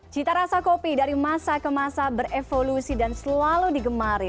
cita rasa kopi dari masa ke masa berevolusi dan selalu digemari